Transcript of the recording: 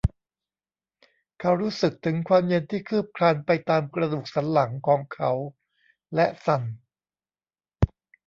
เขารู้สึกถึงความเย็นที่คืบคลานไปตามกระดูกสันหลังของเขาและสั่น